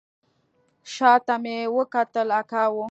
شا ته مې وکتل اکا و.